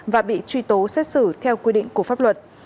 và bị truy tố xét xử theo quy định của pháp luật